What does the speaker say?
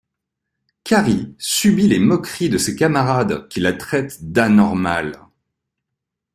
Carrie subit les moqueries de ses camarades qui la traitent d'anormale.